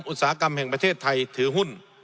อุตสาหกรรมแห่งประเทศไทยถือหุ้น